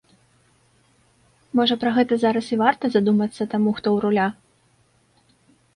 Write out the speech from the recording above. Можа пра гэта зараз і варта задумацца таму, хто ў руля?